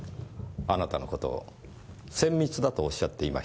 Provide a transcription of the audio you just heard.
あなたの事をせんみつだとおっしゃっていました。